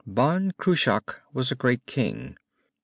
"Ban Cruach was a great king.